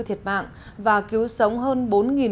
thiệt mạng và cứu sống hơn